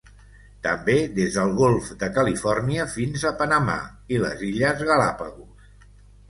També des del Golf de Califòrnia fins a Panamà i les Illes Galápagos.